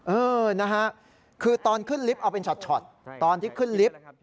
เออนะฮะคือตอนขึ้นลิฟต์เอาเป็นช็อตตอนที่ขึ้นลิฟต์